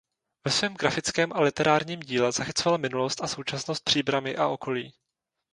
Ve svém grafickém a literárním díle zachycoval minulost a současnost Příbrami a okolí.